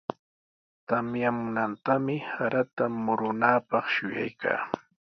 Tamyamunantami sarata murunaapaq shuyaykaa.